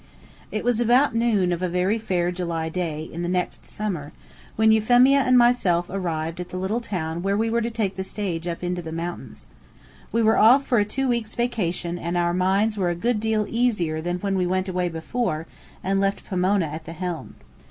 It was about noon of a very fair July day, in the next summer, when Euphemia and myself arrived at the little town where we were to take the stage up into the mountains. We were off for a two weeks' vacation and our minds were a good deal easier than when we went away before, and left Pomona at the helm.